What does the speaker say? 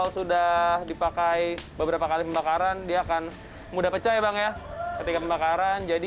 sudah dipakai beberapa kali pembakaran dia akan mudah pecah ya bang ya ketika pembakaran jadi